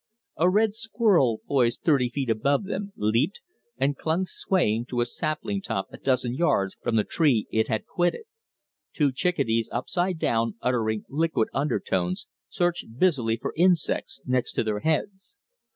A red squirrel poised thirty feet above them, leaped, and clung swaying to a sapling top a dozen yards from the tree he had quitted. Two chickadees upside down uttering liquid undertones, searched busily for insects next their heads.